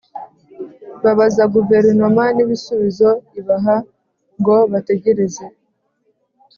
Babaza Guverinoma n’ ibisubizo ibaha ngo bategereze